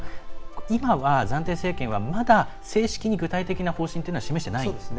今は、暫定政権はまだ正式に具体的な方針というのは示していないんですね。